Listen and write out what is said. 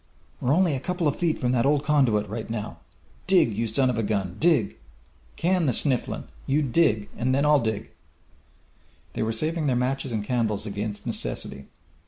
"We're only a couple of feet from that old conduit right now. Dig, you son of a gun, dig! Can the snifflin'! You dig, and then I'll dig!" They were saving their matches and candles against necessity.